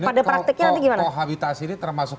pada praktiknya gimana kohabitasi ini termasuk